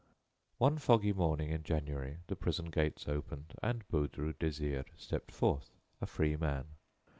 One foggy morning in January the prison gates opened and Baudru Désiré stepped forth a free man.